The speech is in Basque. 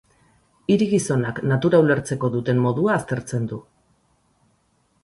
Hiri-gizonak natura ulertzeko duten modua aztertzen du.